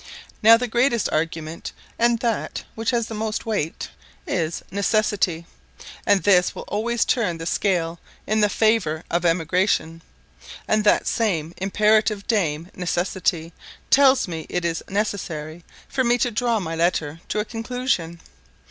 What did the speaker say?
Now, the greatest argument, and that which has the most weight, is NECESSITY, and this will always turn the scale in the favour of emigration; and that same imperative dame Necessity tells me it is necessary for me to draw my letter to a conclusion.